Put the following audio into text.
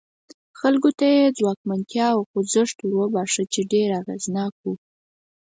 خلکو ته یې ځواکمنتیا او خوځښت وروباښه چې ډېر اغېزناک و.